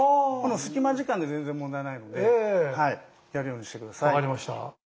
隙間時間で全然問題ないのでやるようにして下さい。